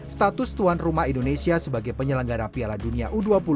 status tuan rumah indonesia sebagai penyelenggara piala dunia u dua puluh